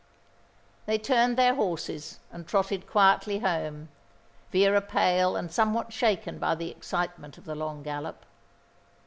They turned their horses, and trotted quietly home, Vera pale and somewhat shaken by the excitement of the long gallop.